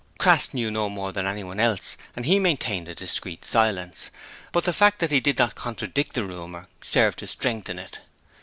Crass knew no more than anyone else and he maintained a discreet silence, but the fact that he did not contradict the rumour served to strengthen it.